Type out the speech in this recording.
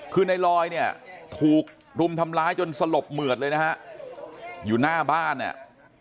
คือในลอยเนี่ยถูกรุมทำร้ายจนสลบเหมือดเลยนะฮะอยู่หน้าบ้านเนี่ย